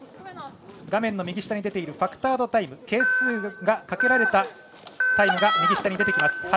画面右下に出ているファクタードタイム係数が掛けられたタイムが右下に出てきます。